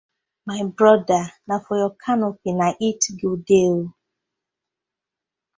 My broda na for yur canopy na it go dey ooo.